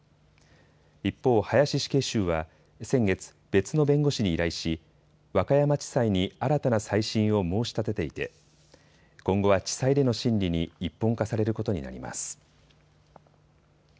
一方、林死刑囚は先月、別の弁護士に依頼し和歌山地裁に新たな再審を申し立てていて今後は地裁での審理に一本化されることになります。